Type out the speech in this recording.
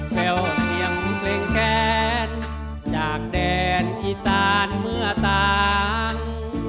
แววเพียงเพลงแค้นจากแดนอีสานเมื่อต่าง